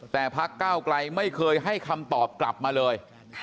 แต่พักก้าวไกลไม่เคยให้คำตอบกลับมาเลย